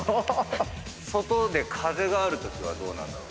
外で風があるときはどうなんだろう？